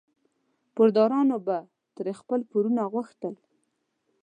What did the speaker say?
پوردارانو به ترې خپل پورونه غوښتل.